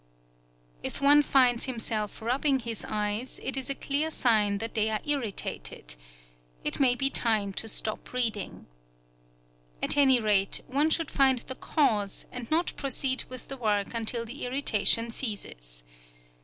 If one finds himself rubbing his eyes, it is a clear sign that they are irritated. It may be time to stop reading. At any rate, one should find the cause, and not proceed with the work until the irritation ceases.